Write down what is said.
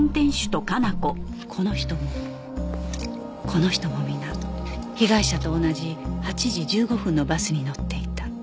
この人もこの人も皆被害者と同じ８時１５分のバスに乗っていた